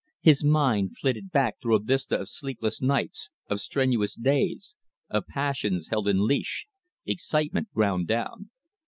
His mind flitted back through a vista of sleepless nights, of strenuous days, of passions held in leash, excitement ground down.